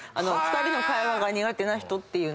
２人の会話が苦手な人って。